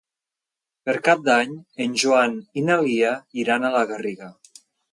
Per Cap d'Any en Joan i na Lia iran a la Garriga.